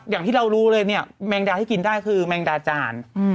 อย่างที่เรารู้เลยเนี่ยแมงดาที่กินได้คือแมงดาจาน